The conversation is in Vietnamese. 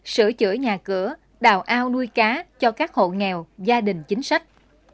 sửa chữa nhà cửa đào ao nuôi cá cho các hộ nghèo gia đình chính sách